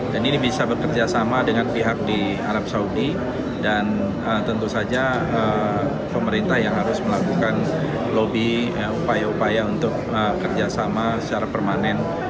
dan tentu saja pemerintah yang harus melakukan lobby upaya upaya untuk kerjasama secara permanen